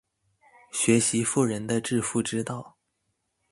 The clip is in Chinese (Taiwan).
學習富人的致富之道